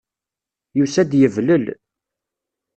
Yusa-d yeblel.